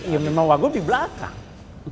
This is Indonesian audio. ya memang wagub di belakang